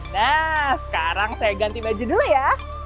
nah sekarang saya ganti baju dulu ya